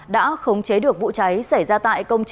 đã khống chế được vụ cháy xảy ra tại công ty